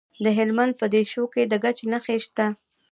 د هلمند په دیشو کې د ګچ نښې شته.